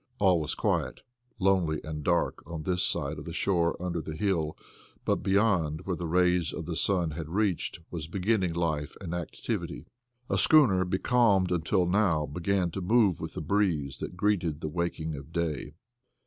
All was quiet, lonely and dark on this side of the shore under the hill, but beyond, where the rays of the sun had reached, was beginning life and activity. A schooner, becalmed until now, began to move with the breeze that greeted the waking of day.